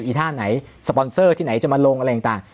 อีท่าไหนสปอนเซอร์ที่ไหนจะมาลงอะไรต่าง